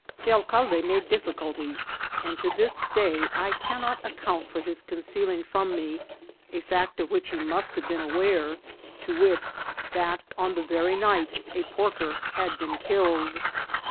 The alcalde made difficulties, and to this day I cannot account for his concealing from me a fact of which he must have been aware, to wit, that on that very night a porker had been killed.